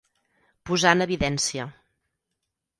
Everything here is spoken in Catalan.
Posar en evidència.